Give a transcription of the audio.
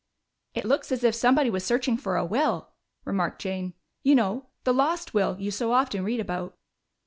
"It looks as if somebody were searching for a will," remarked Jane. "You know 'the lost will' you so often read about."